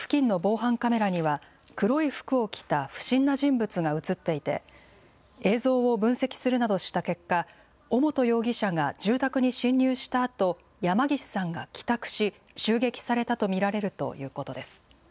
当時、付近の防犯カメラには、黒い服を着た不審な人物が写っていて、映像を分析するなどした結果、尾本容疑者が住宅に侵入したあと、山岸さんが帰宅し、襲撃されたと見られるということです。